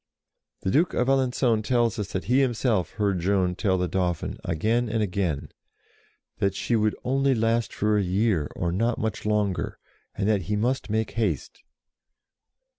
The Duke of Alencon tells us that he himself heard Joan tell the Dauphin, again and again, that "she would only last for a year, or not much longer, and that he must make haste."